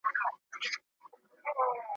او بیا نو واه واه ورته ووايي ,